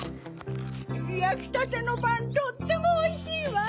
やきたてのパンとってもおいしいわ！